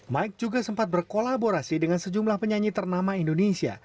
mike juga sempat berkolaborasi dengan sejumlah penyanyi ternama indonesia